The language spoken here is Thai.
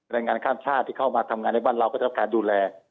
แรงงานข้ามชาติที่เข้ามาทำงานในบ้านเราก็ได้รับการดูแล